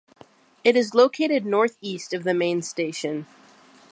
It is located north east of the main station.